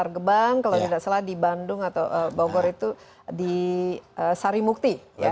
kalau di jepang kalau tidak salah di bandung atau bogor itu di sari mukti